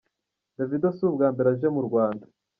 Davido si ubwa mbere aje mu Rwanda.